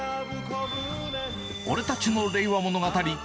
俺たちの令和物語。